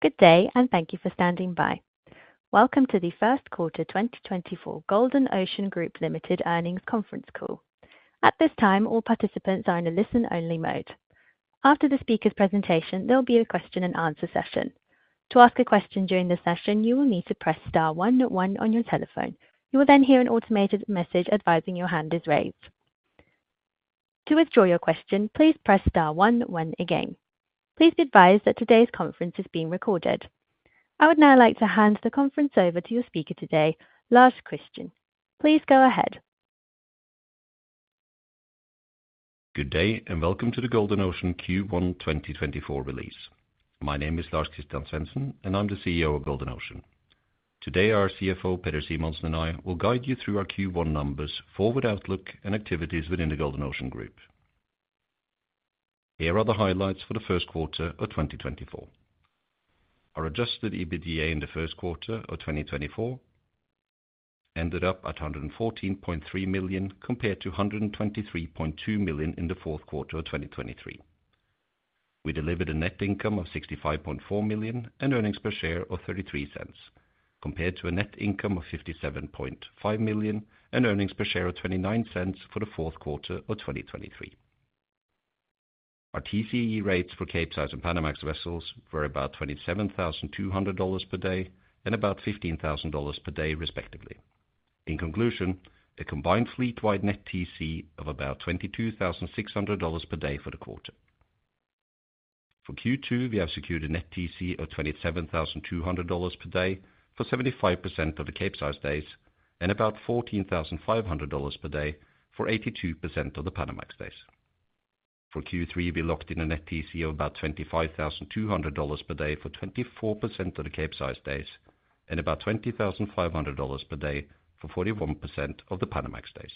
Good day, and thank you for standing by. Welcome to the First Quarter 2024 Golden Ocean Group Limited Earnings Conference Call. At this time, all participants are in a listen-only mode. After the speaker's presentation, there'll be a question-and-answer session. To ask a question during the session, you will need to press star one one on your telephone. You will then hear an automated message advising your hand is raised. To withdraw your question, please press star one one again. Please be advised that today's conference is being recorded. I would now like to hand the conference over to your speaker today, Lars-Christian Svensen. Please go ahead. Good day, and welcome to the Golden Ocean Q1 2024 release. My name is Lars-Christian Svensen, and I'm the CEO of Golden Ocean. Today, our CFO, Peder Simonsen, and I will guide you through our Q1 numbers, forward outlook, and activities within the Golden Ocean Group. Here are the highlights for the first quarter of 2024. Our adjusted EBITDA in the first quarter of 2024 ended up at $114.3 million, compared to $123.2 million in the fourth quarter of 2023. We delivered a net income of $65.4 million and earnings per share of $0.33, compared to a net income of $57.5 million and earnings per share of $0.29 for the fourth quarter of 2023.Our TCE rates for Capesize and Panamax vessels were about $27,200 per day and about $15,000 per day, respectively. In conclusion, a combined fleet-wide net TCE of about $22,600 per day for the quarter. For Q2, we have secured a net TCE of $27,200 per day for 75% of the Capesize days and about $14,500 per day for 82% of the Panamax days. For Q3, we locked in a net TCE of about $25,200 per day for 24% of the Capesize days and about $20,500 per day for 41% of the Panamax days.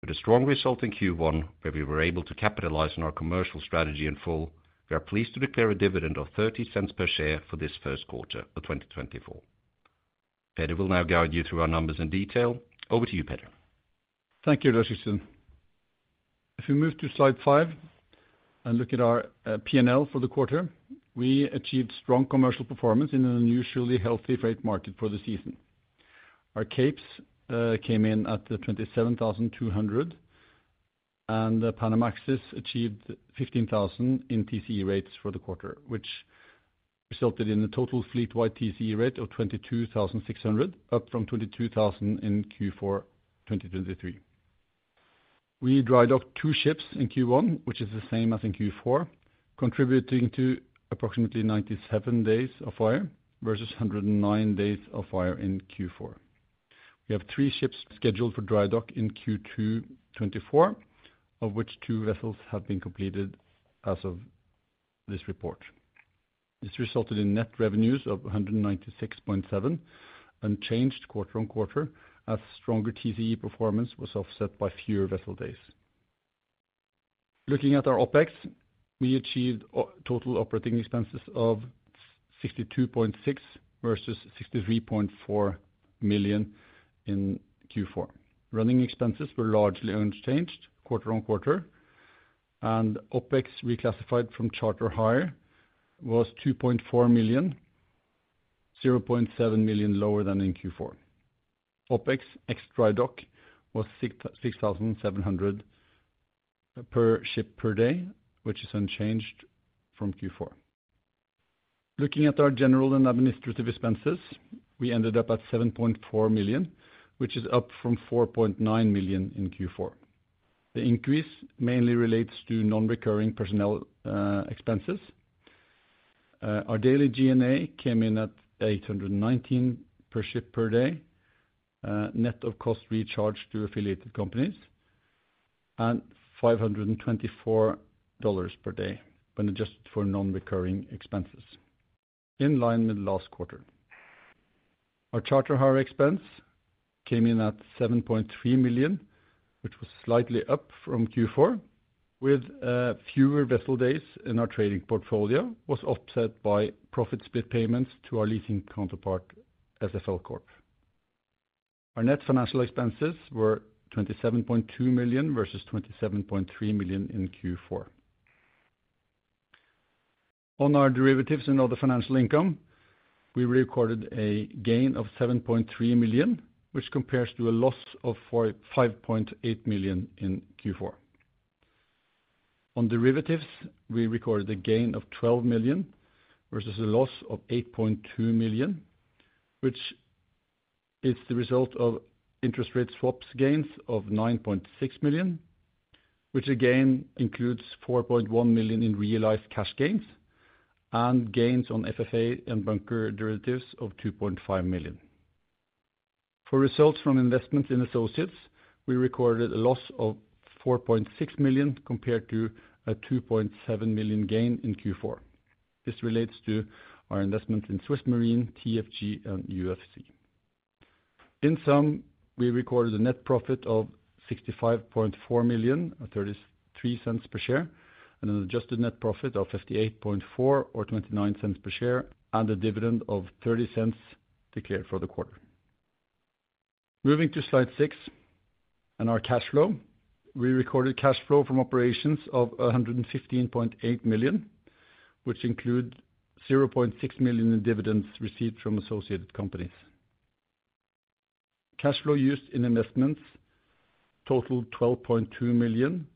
With a strong result in Q1, where we were able to capitalize on our commercial strategy in full, we are pleased to declare a dividend of $0.30 per share for this first quarter of 2024. Peder will now guide you through our numbers in detail. Over to you, Peder. Thank you, Svensen. If we move to slide 5 and look at our P&L for the quarter, we achieved strong commercial performance in an unusually healthy freight market for the season. Our Capes came in at the 27,200, and Panamaxes achieved 15,000 in TCE rates for the quarter, which resulted in a total fleet-wide TCE rate of 22,600, up from 22,000 in Q4 2023. We drydocked two ships in Q1, which is the same as in Q4, contributing to approximately 97 days of hire, versus 109 days of hire in Q4. We have three ships scheduled for drydock in Q2 2024, of which two vessels have been completed as of this report. This resulted in net revenues of $196.7 million, unchanged quarter-on-quarter, as stronger TCE performance was offset by fewer vessel days. Looking at our OpEx, we achieved total operating expenses of $62.6 million versus $63.4 million in Q4. Running expenses were largely unchanged quarter-on-quarter, and OpEx reclassified from charter hire was $2.4 million, $0.7 million lower than in Q4. OpEx ex drydock was $6,700 per ship per day, which is unchanged from Q4. Looking at our general and administrative expenses, we ended up at $7.4 million, which is up from $4.9 million in Q4. The increase mainly relates to non-recurring personnel expenses. Our daily G&A came in at 819 per ship per day, net of cost recharged to affiliated companies, and $524 per day when adjusted for non-recurring expenses, in line with last quarter. Our charter hire expense came in at $7.3 million, which was slightly up from Q4, with fewer vessel days in our trading portfolio, was offset by profit split payments to our leasing counterpart, SFL Corp. Our net financial expenses were $27.2 million versus $27.3 million in Q4. On our derivatives and other financial income, we recorded a gain of $7.3 million, which compares to a loss of 45.8 million in Q4. On derivatives, we recorded a gain of $12 million, versus a loss of $8.2 million, which is the result of interest rate swaps gains of $9.6 million, which again includes $4.1 million in realized cash gains and gains on FFA and bunker derivatives of $2.5 million. For results from investments in associates, we recorded a loss of $4.6 million, compared to a $2.7 million gain in Q4. This relates to our investment in SwissMarine, TFG and UFC. In sum, we recorded a net profit of $65.4 million, or $0.33 per share, and an adjusted net profit of $58.4, or $0.29 per share, and a dividend of $0.30 declared for the quarter. Moving to slide 6 and our cash flow. We recorded cash flow from operations of $115.8 million, which include $0.6 million in dividends received from associated companies. Cash flow used in investments totaled $12.2 million,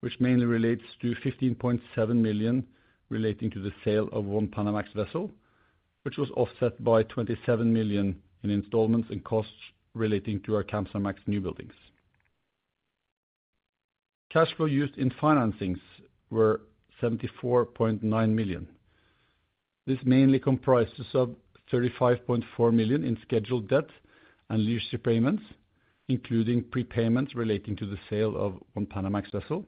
which mainly relates to $15.7 million relating to the sale of one Panamax vessel, which was offset by $27 million in installments and costs relating to our Kamsarmax newbuildings. Cash flow used in financings were $74.9 million. This mainly comprises of $35.4 million in scheduled debt and lease repayments, including prepayments relating to the sale of one Panamax vessel,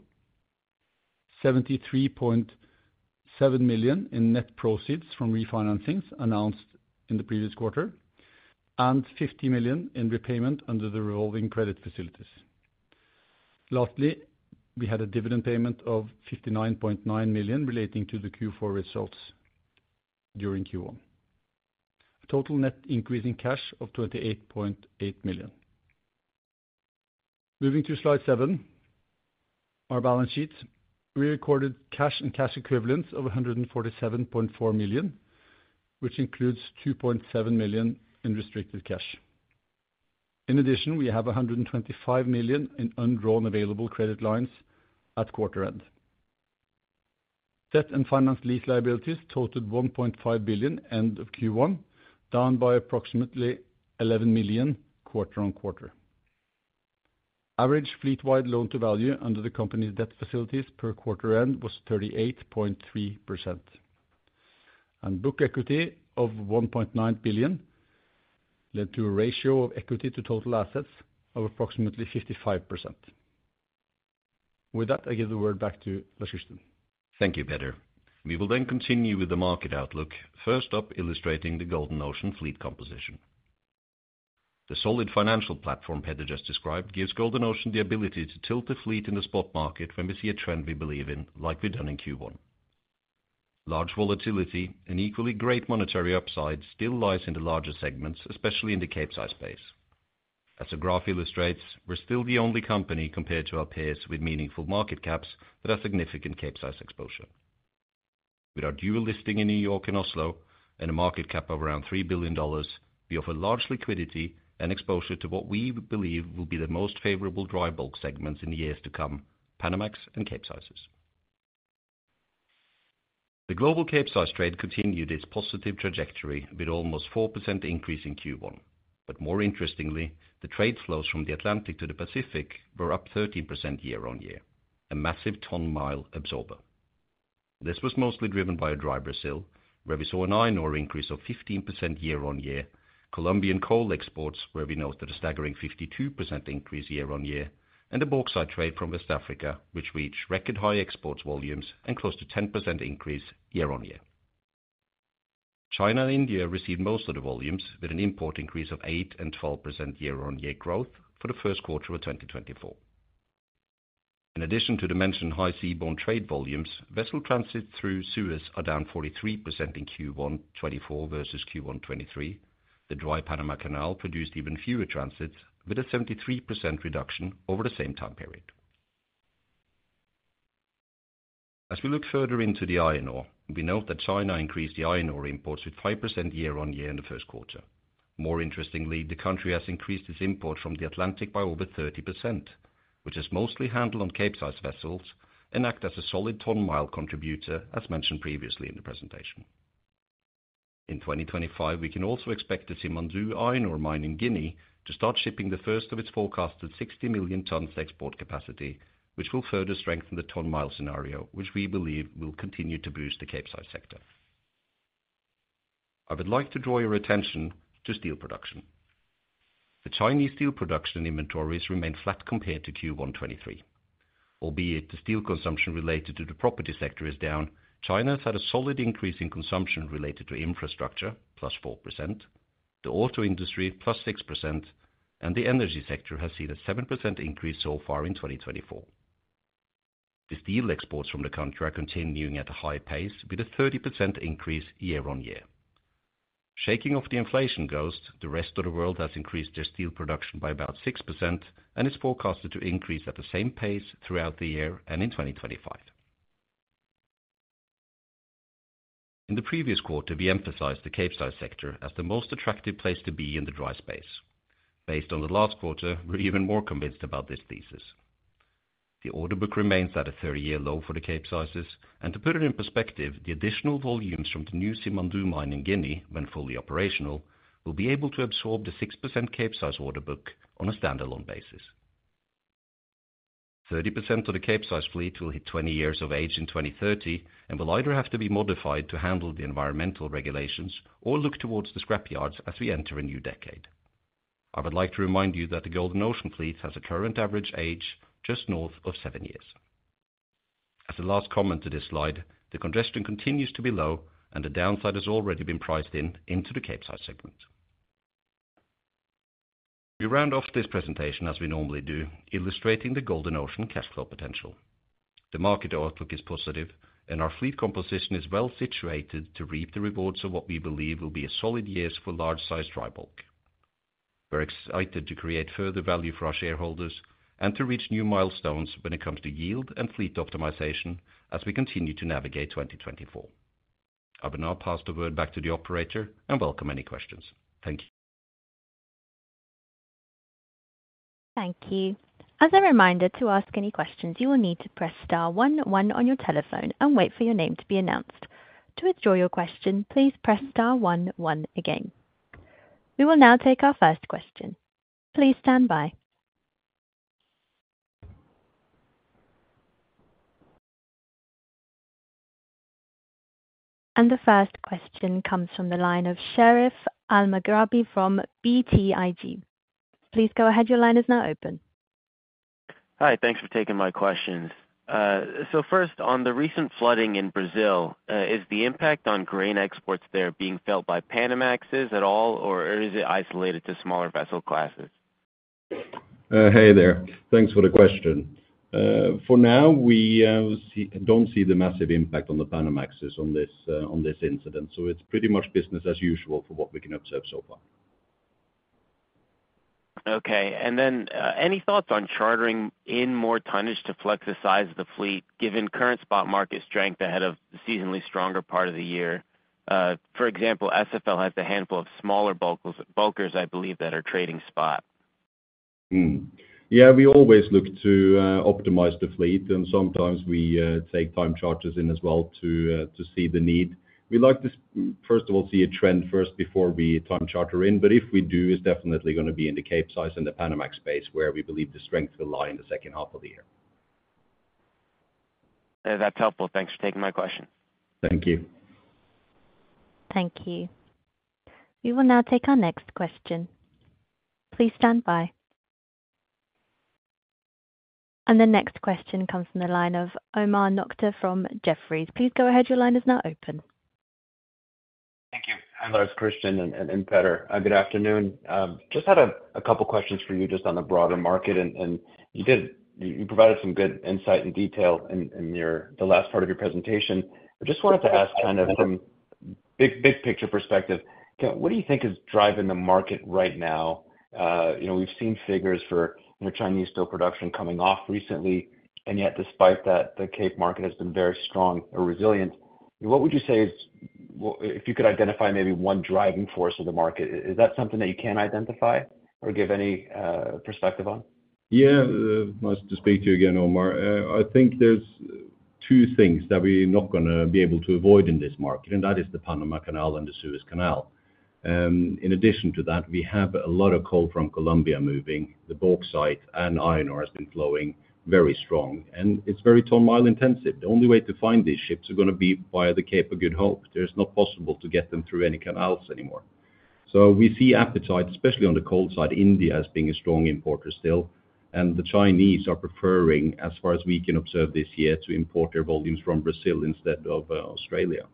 $73.7 million in net proceeds from refinancings announced in the previous quarter, and $50 million in repayment under the revolving credit facilities. Lastly, we had a dividend payment of $59.9 million relating to the Q4 results during Q1. Total net increase in cash of $28.8 million. Moving to slide seven, our balance sheet. We recorded cash and cash equivalents of $147.4 million, which includes $2.7 million in restricted cash. In addition, we have $125 million in undrawn available credit lines at quarter end. Debt and finance lease liabilities totaled $1.5 billion end of Q1, down by approximately $11 million quarter-over-quarter. Average fleet-wide loan-to-value under the company's debt facilities per quarter end was 38.3%, and book equity of $1.9 billion led to a ratio of equity to total assets of approximately 55%. With that, I give the word back to Svensen. Thank you, Peder. We will then continue with the market outlook, first up, illustrating the Golden Ocean fleet composition. The solid financial platform Peder just described gives Golden Ocean the ability to tilt the fleet in the spot market when we see a trend we believe in, like we've done in Q1. Large volatility and equally great monetary upside still lies in the larger segments, especially in the Capesize space. As the graph illustrates, we're still the only company compared to our peers with meaningful market caps with a significant Capesize exposure. With our dual listing in New York and Oslo, and a market cap of around $3 billion, we offer large liquidity and exposure to what we believe will be the most favorable dry bulk segments in the years to come, Panamax and Capesizes. The global Capesize trade continued its positive trajectory with almost 4% increase in Q1. But more interestingly, the trade flows from the Atlantic to the Pacific were up 13% year-on-year, a massive ton mile absorber. This was mostly driven by a dry Brazil, where we saw an iron ore increase of 15% year-on-year, Colombian coal exports, where we note that a staggering 52% increase year-on-year, and the bauxite trade from West Africa, which reached record high export volumes and close to 10% increase year-on-year. China and India received most of the volumes, with an import increase of 8% and 12% year-on-year growth for the first quarter of 2024. In addition to the mentioned high seaborne trade volumes, vessel transit through Suez are down 43% in Q1 2024 versus Q1 2023. The dry Panama Canal produced even fewer transits, with a 73% reduction over the same time period. As we look further into the iron ore, we note that China increased the iron ore imports with 5% year-on-year in the first quarter. More interestingly, the country has increased its imports from the Atlantic by over 30%, which is mostly handled on Capesize vessels and act as a solid ton mile contributor, as mentioned previously in the presentation. In 2025, we can also expect the Simandou iron ore mine in Guinea to start shipping the first of its forecasted 60 million tons of export capacity, which will further strengthen the ton mile scenario, which we believe will continue to boost the Capesize sector. I would like to draw your attention to steel production. The Chinese steel production inventories remain flat compared to Q1 2023. Albeit, the steel consumption related to the property sector is down. China had a solid increase in consumption related to infrastructure, +4%, the auto industry, +6%, and the energy sector has seen a 7% increase so far in 2024. The steel exports from the country are continuing at a high pace, with a 30% increase year-on-year. Shaking off the inflation ghost, the rest of the world has increased their steel production by about 6% and is forecasted to increase at the same pace throughout the year and in 2025. In the previous quarter, we emphasized the Capesize sector as the most attractive place to be in the dry space. Based on the last quarter, we're even more convinced about this thesis. The order book remains at a 30-year low for the Capesizes, and to put it in perspective, the additional volumes from the new Simandou mine in Guinea, when fully operational, will be able to absorb the 6% Capesize order book on a standalone basis. 30% of the Capesize fleet will hit 20 years of age in 2030 and will either have to be modified to handle the environmental regulations or look towards the scrap yards as we enter a new decade. I would like to remind you that the Golden Ocean fleet has a current average age just north of 7 years. As a last comment to this slide, the congestion continues to be low, and the downside has already been priced in into the Capesize segment. We round off this presentation as we normally do, illustrating the Golden Ocean cash flow potential. The market outlook is positive, and our fleet composition is well situated to reap the rewards of what we believe will be a solid year for large-sized dry bulk. We're excited to create further value for our shareholders and to reach new milestones when it comes to yield and fleet optimization as we continue to navigate 2024. I will now pass the word back to the operator, and welcome any questions. Thank you. Thank you. As a reminder, to ask any questions, you will need to press star one one on your telephone and wait for your name to be announced. To withdraw your question, please press star one one again. We will now take our first question. Please stand by. The first question comes from the line of Sherif Elmaghrabi from BTIG. Please go ahead. Your line is now open. Hi, thanks for taking my questions. So first, on the recent flooding in Brazil, is the impact on grain exports there being felt by Panamaxes at all, or is it isolated to smaller vessel classes? Hey there. Thanks for the question. For now, we don't see the massive impact on the Panamaxes on this incident, so it's pretty much business as usual for what we can observe so far. Okay, and then, any thoughts on chartering in more tonnage to flex the size of the fleet, given current spot market strength ahead of the seasonally stronger part of the year? For example, SFL has a handful of smaller bulkers, I believe, that are trading spot. Hmm. Yeah, we always look to optimize the fleet, and sometimes we take time charters in as well to see the need. We like to first of all, see a trend first before we time charter in, but if we do, it's definitely gonna be in the Capesize and the Panamax space, where we believe the strength will lie in the second half of the year. That's helpful. Thanks for taking my question. Thank you. Thank you. We will now take our next question. Please stand by. The next question comes from the line of Omar Nokta from Jefferies. Please go ahead. Your line is now open. Thank you. Hi, there, Lars-Christian and Peder. Good afternoon. Just had a couple questions for you just on the broader market and you did—you provided some good insight and detail in the last part of your presentation. But just wanted to ask kind of from big picture perspective, kind of what do you think is driving the market right now? You know, we've seen figures for Chinese steel production coming off recently, and yet despite that, the Cape market has been very strong or resilient. What would you say is, well, if you could identify maybe one driving force of the market, is that something that you can identify or give any perspective on? Yeah, nice to speak to you again, Omar. I think there's two things that we're not gonna be able to avoid in this market, and that is the Panama Canal and the Suez Canal. In addition to that, we have a lot of coal from Colombia moving. The bauxite and iron ore has been flowing very strong, and it's very ton mile intensive. The only way to find these ships are gonna be via the Cape of Good Hope. There's not possible to get them through any canals anymore. So we see appetite, especially on the coal side, India as being a strong importer still, and the Chinese are preferring, as far as we can observe this year, to import their volumes from Brazil instead of Australia.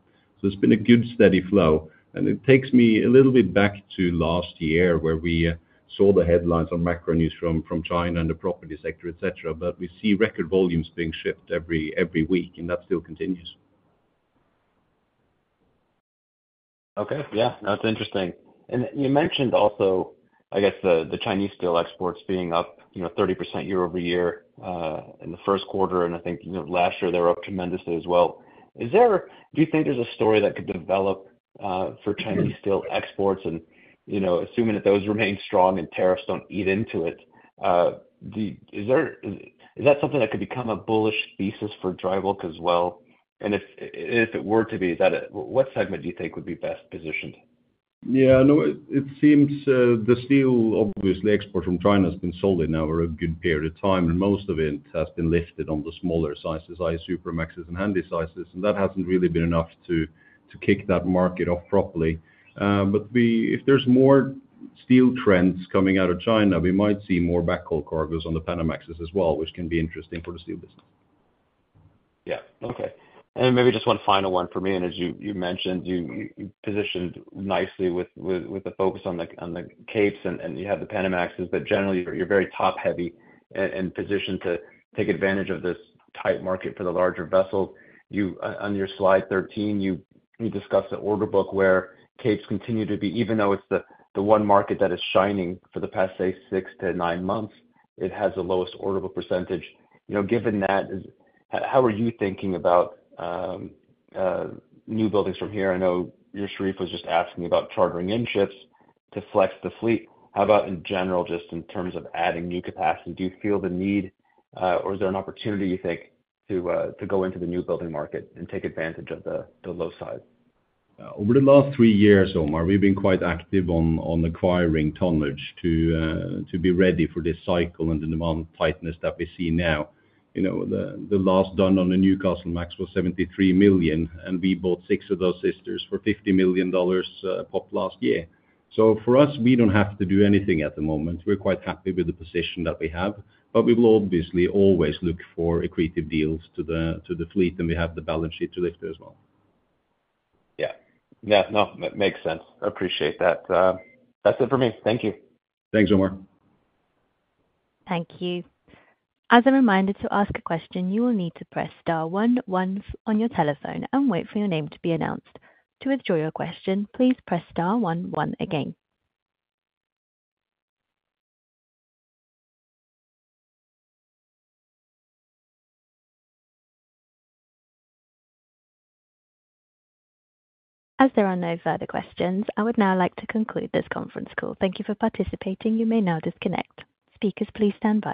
So it's been a good, steady flow, and it takes me a little bit back to last year, where we saw the headlines on macro news from, from China and the property sector, et cetera, but we see record volumes being shipped every, every week, and that still continues. Okay, yeah. That's interesting. And you mentioned also, I guess, the Chinese steel exports being up, you know, 30% year-over-year in the first quarter, and I think, you know, last year they were up tremendously as well. Do you think there's a story that could develop for Chinese steel exports? And, you know, assuming that those remain strong and tariffs don't eat into it, is that something that could become a bullish thesis for dry bulk as well? And if it were to be, what segment do you think would be best positioned? Yeah, no, it seems the steel export from China has been solid now for a good period of time, and most of it has been lifted on the smaller sizes, i.e., Supramaxes and Handysizes, and that hasn't really been enough to kick that market off properly. But if there's more steel trends coming out of China, we might see more backhaul cargoes on the Panamaxes as well, which can be interesting for the steel business. Yeah. Okay. And then maybe just one final one for me. And as you mentioned, you positioned nicely with the focus on the Capes, and you have the Panamaxes, but generally, you're very top-heavy and positioned to take advantage of this tight market for the larger vessel. You on your slide 13, you discussed the order book where Capes continue to be, even though it's the one market that is shining for the past, say, 6-9 months, it has the lowest order book percentage. You know, given that, how are you thinking about new buildings from here? I know your Sherif was just asking about chartering in ships to flex the fleet. How about in general, just in terms of adding new capacity? Do you feel the need, or is there an opportunity, you think, to go into the new building market and take advantage of the low side? Over the last three years, Omar, we've been quite active on acquiring tonnage to be ready for this cycle and the demand tightness that we see now. You know, the last done on the Newcastlemax was $73 million, and we bought six of those sisters for $50 million pop last year. So for us, we don't have to do anything at the moment. We're quite happy with the position that we have, but we will obviously always look for accretive deals to the fleet, and we have the balance sheet to lift it as well. Yeah. Yeah, no, that makes sense. I appreciate that. That's it for me. Thank you. Thanks, Omar. Thank you. As a reminder, to ask a question, you will need to press star one one on your telephone and wait for your name to be announced. To withdraw your question, please press star one one again. As there are no further questions, I would now like to conclude this conference call. Thank you for participating. You may now disconnect. Speakers, please stand by.